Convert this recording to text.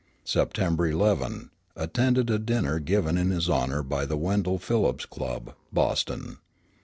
September 11. Attended a dinner given in his honor by the Wendell Phillips Club, Boston.